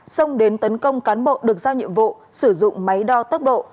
xông đến tấn công cán bộ được giao nhiệm vụ sử dụng máy đo tốc độ